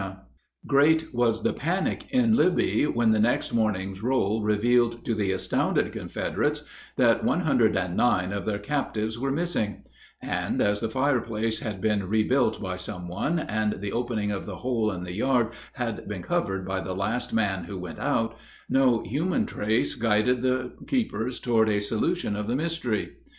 ] Great was the panic in Libby when the next morning's roll revealed to the astounded Confederates that 109 of their captives were missing; and as the fireplace had been rebuilt by some one and the opening of the hole in the yard had been covered by the last man who went out, no human trace guided the keepers toward a solution of the mystery.